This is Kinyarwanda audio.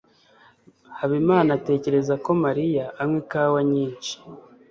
habimana atekereza ko mariya anywa ikawa nyinshi